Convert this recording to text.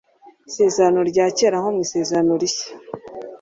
Isezerano rya Kera nko mu Isezerano rishya.